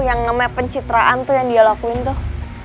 yang nge map pencitraan tuh yang dia lakuin tuh